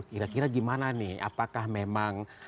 kira kira gimana nih apakah memang